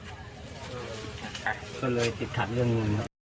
ก็เลยกิจถัดเรื่องนี้